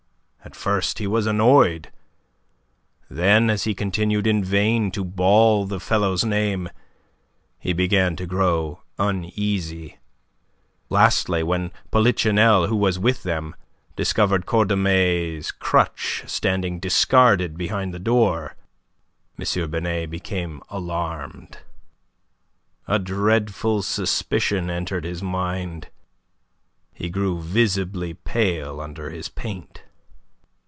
At first he was annoyed; then as he continued in vain to bawl the fellow's name, he began to grow uneasy; lastly, when Polichinelle, who was with them, discovered Cordemais' crutch standing discarded behind the door, M. Binet became alarmed. A dreadful suspicion entered his mind. He grew visibly pale under his paint.